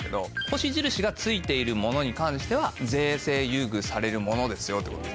星印が付いているものに関しては税制優遇されるものですよってことです。